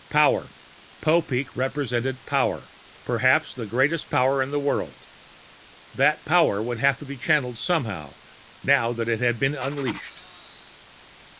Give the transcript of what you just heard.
Power. Popeek represented power, perhaps the greatest power in the world. That power would have to be channeled somehow, now that it had been unleashed.